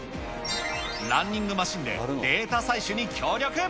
ランニングマシンでデータ採取に協力。